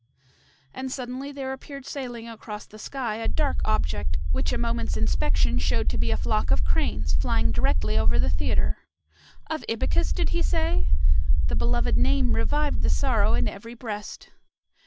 And suddenly there appeared sailing across the sky a dark object which a moment's inspection showed to be a flock of cranes flying directly over the theatre. "Of Ibycus! did he say?" The beloved name revived the sorrow in every breast.